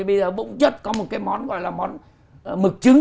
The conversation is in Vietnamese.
bây giờ bỗng chất có một cái món gọi là món mực trứng